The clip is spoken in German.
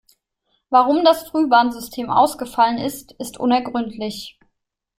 Warum das Frühwarnsystem ausgefallen ist, ist unergründlich.